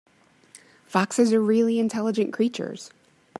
Foxes are really intelligent creatures.